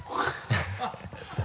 ハハハ